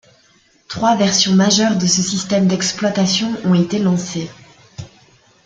Trois versions majeures de ce système d'exploitation ont été lancées.